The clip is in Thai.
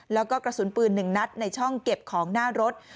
แล้วก็กระสุนปืน๑นัดในช่องเก็บของหน้ารถ